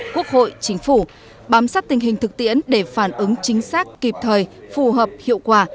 quốc hội chính phủ bám sát tình hình thực tiễn để phản ứng chính xác kịp thời phù hợp hiệu quả